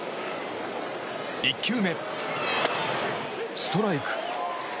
１球目、ストライク。